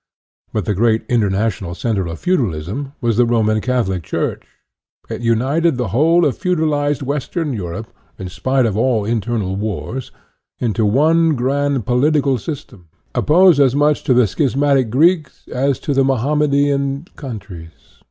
But the great international center of feudalism was the Roman Catholic Church. It united the whole of feudalized Western Europe, in spite of all internal wars, into one grand political sys tem, opposed as much to the schismatic Greeks as to the Mohammedian countries.